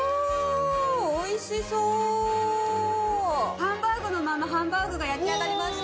ハンバーグのままハンバーグが焼き上がりました！